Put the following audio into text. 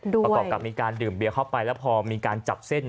ประกอบกับมีการดื่มเบียเข้าไปแล้วพอมีการจับเส้น